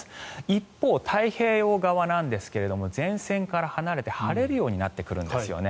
一方、太平洋側なんですが前線から離れて晴れるようになってくるんですね。